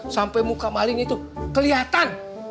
sampai muka malingnya tuh kelihatan